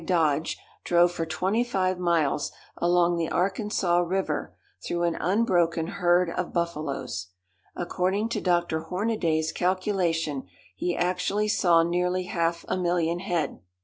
Dodge drove for twenty five miles along the Arkansas River through an unbroken herd of buffaloes. According to Dr. Hornaday's calculation, he actually saw nearly half a million head.